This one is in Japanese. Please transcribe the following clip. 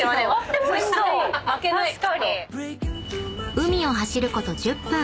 ［海を走ること１０分］